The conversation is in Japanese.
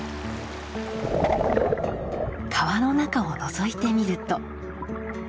川の中をのぞいてみると。